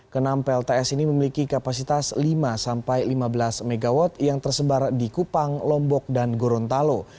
kenam plts ini memiliki kapasitas lima sampai lima belas mw yang tersebar di kupang lombok dan gorontalo